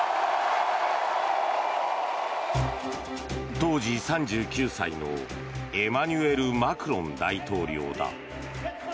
当時３９歳のエマニュエル・マクロン大統領だ。